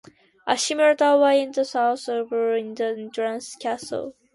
A similar tower in the south overlooks the entrance to the castle.